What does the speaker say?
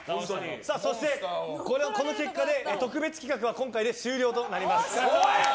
そして、この結果で特別企画は今回で終了となります。